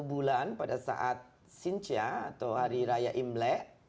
satu bulan pada saat sintia atau hari raya imlek